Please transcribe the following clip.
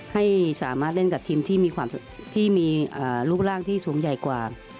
ให้สามารถเล่นกับทีมที่มีรูปร่างที่สูงใหญ่กว่า